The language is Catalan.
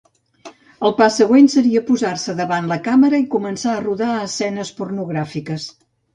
El pas següent seria posar-se davant la càmera i començar a rodar escenes pornogràfiques.